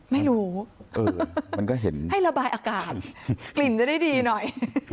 ไม่รู้ให้ระบายอากาศกลิ่นจะได้ดีหน่อย